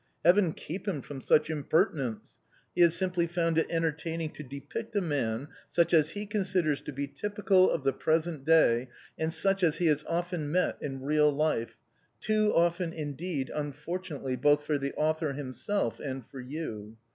Heaven keep him from such impertinence! He has simply found it entertaining to depict a man, such as he considers to be typical of the present day and such as he has often met in real life too often, indeed, unfortunately both for the author himself and for you.